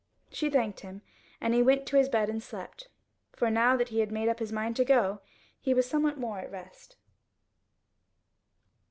She thanked him, and he went to his bed and slept; for now that he had made up his mind to go, he was somewhat more at rest.